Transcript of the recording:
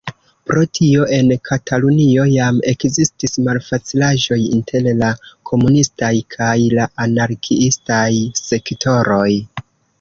Pro tio en Katalunio jam ekzistis malfacilaĵoj inter la komunistaj kaj la anarkiistaj sektoroj.